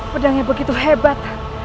pedangnya begitu hebat